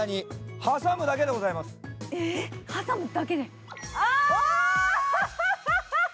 挟むだけで？